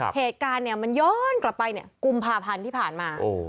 เหตุการณ์มันย้อนกลับไปกุมภาพันธ์ที่ผ่านมา